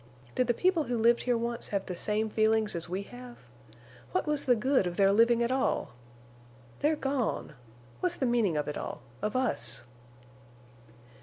Did the people who lived here once have the same feelings as we have? What was the good of their living at all? They're gone! What's the meaning of it all—of us?"